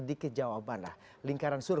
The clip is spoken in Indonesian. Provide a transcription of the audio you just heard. ini lima belas persen